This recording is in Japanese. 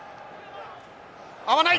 合わない！